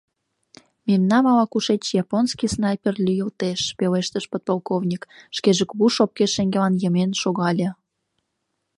— Мемнам ала-кушеч японский снайпер лӱйылтеш, — пелештыш подполковник, шкеже кугу шопке шеҥгелан йымен шогале.